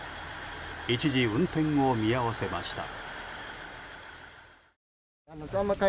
一時運転を見合わせました。